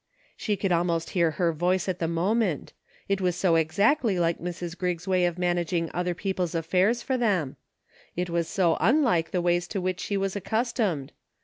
She could almost hear her voice at the moment ; it was so exactly like Mrs. Griggs' way of managing other people's affairs for them ; it was so unlike the ways to which she was accustomed.